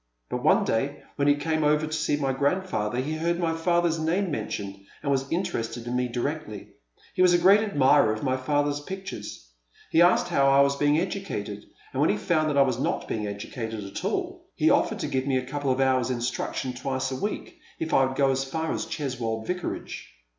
But one day when he came over to see my grandfather he heard my father's namie men tioned, and was interested in me directly. He was a great admirer of my father's pictures. He asked how I was being educated, and when he found that I was not being educated at all, he offered to give me a couple of hours' instniction twice a week if I would go as far as Cheswold Vicarage.